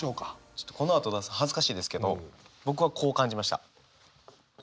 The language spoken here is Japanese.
ちょっとこのあと出すの恥ずかしいですけど僕はこう感じました。